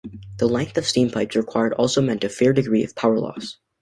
The length of steam pipes required also meant a fair degree of power loss.